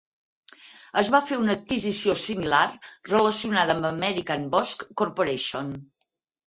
Es va fer una adquisició similar relacionada amb American Bosch Corporation.